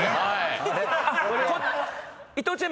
伊藤ちゃん